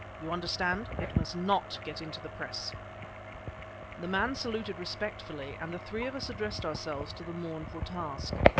You understand? It must not get into the press " The man saluted respectfully; and the three of us addressed ourselves to the mournful task.